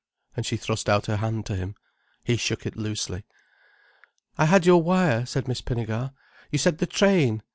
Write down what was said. and she thrust out her hand to him. He shook it loosely. "I had your wire," said Miss Pinnegar. "You said the train.